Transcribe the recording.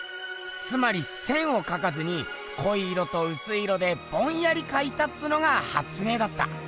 つまり線を描かずにこい色とうすい色でぼんやり描いたっつうのがはつ明だった。